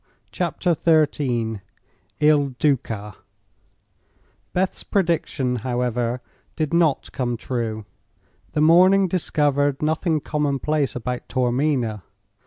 CHAPTER XIII IL DUCA Beth's prediction, however, did not come true. The morning discovered nothing commonplace about Taormina.